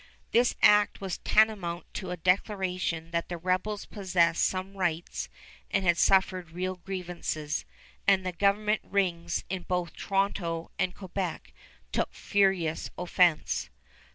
This act was tantamount to a declaration that the rebels possessed some rights and had suffered real grievances, and the governing rings in both Toronto and Quebec took furious offense.